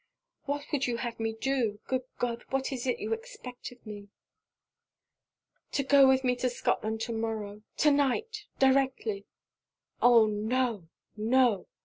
'What would you have me do? good God! what is it you expect of me?' 'To go with me to Scotland to morrow to night directly!' 'Oh, no! no!